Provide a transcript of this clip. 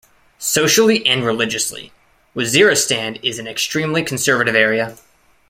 Socially and religiously, Waziristan is an extremely conservative area.